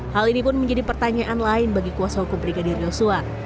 hal ini pun menjadi pertanyaan lain bagi kuasa hukum brigadir yosua